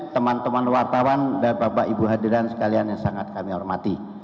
teman teman wartawan dan bapak ibu hadirin sekalian yang sangat kami hormati